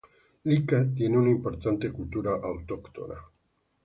Lika tiene una importante cultura autóctona.